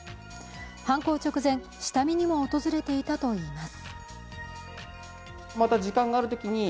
犯行直前、下見にも訪れていたといいます。